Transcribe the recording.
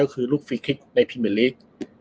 ก็คือลูกฟรีคลิกในพรีเมอร์ลีก